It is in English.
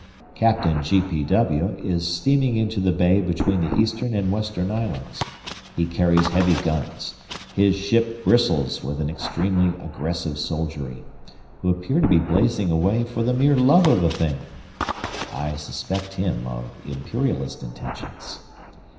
Captain G. P. W. is steaming into the bay between the eastern and western islands. He carries heavy guns, his ship bristles with an extremely aggressive soldiery, who appear to be blazing away for the mere love of the thing. (I suspect him of Imperialist intentions.)